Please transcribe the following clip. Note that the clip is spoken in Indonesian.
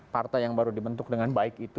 partai yang baru dibentuk dengan baik itu